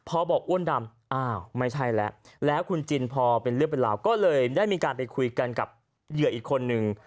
พอบอกอ้วนดำอ้าวไม่ใช่แล้วแล้วคุณจินพอเป็นเรื่องเป็นราวก็เลยได้มีการไปคุยกันกับเหยื่ออีกคนนึง